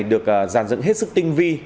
được dàn dựng hết sức tinh vi